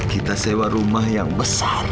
kita sewa rumah yang besar